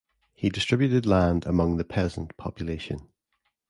He distributed land among the peasant population.